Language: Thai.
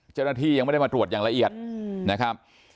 เจ้าหน้าที่ยังไม่ได้มาตรวจอย่างละเอียดนะครับ